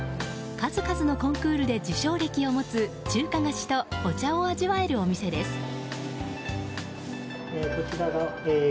数々のコンクールで受賞歴を持つ中華菓子とお茶を味わえるお店です。